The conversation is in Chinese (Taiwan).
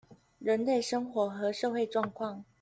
人類生活和社會狀況